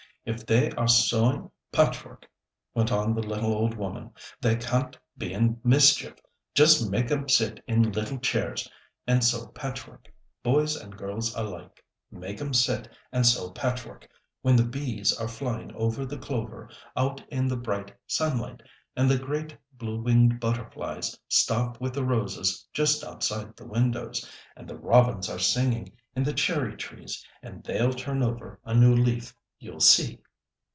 "If they are sewing patchwork," went on the little old woman, "they can't be in mischief. Just make 'em sit in little chairs and sew patchwork, boys and girls alike. Make 'em sit and sew patchwork, when the bees are flying over the clover, out in the bright sunlight, and the great bluewinged butterflies stop with the roses just outside the windows, and the robins are singing in the cherry trees, and they'll turn over a new leaf, you'll see!"